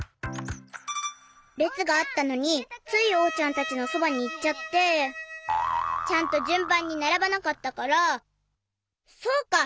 れつがあったのについおうちゃんたちのそばにいっちゃってちゃんとじゅんばんにならばなかったからそうか！